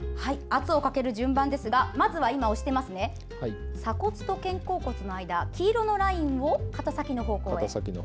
圧をかける順番ですが鎖骨と肩甲骨の間黄色のラインを肩先の方向へ。